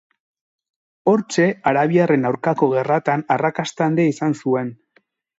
Hortxe Arabiarren aurkako gerratan arrakasta handia izan zuen.